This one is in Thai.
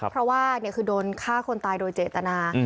เพราะว่าคือโดนฆ่าคนตายโดยเจตนา